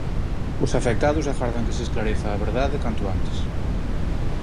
Os afectados agardan que se esclareza a verdade canto antes.